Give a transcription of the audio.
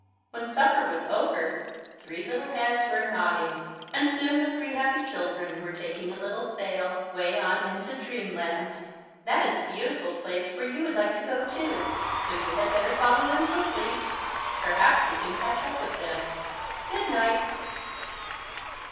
When supper was over three little heads were nodding and soon the three happy children were taking a little sail way on into Dreamland. That is a beautiful place where you would like to go too. So you had better follow them quickly. Perhaps you can catch up with them. Good night.